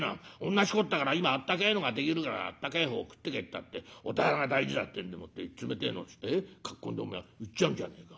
同じことだから今あったけえのができるからあったけえ方食ってけったって御店が大事だってんでもって冷てえのっつってかっ込んでお前行っちゃうんじゃねえか。